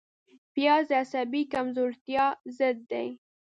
پیاز د عصبي کمزورتیا ضد دی